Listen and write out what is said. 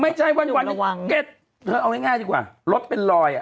ไม่ใช่วันเก็ตเธอเอาง่ายดีกว่ารถเป็นรอยอ่ะ